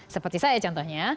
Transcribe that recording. seperti saya contohnya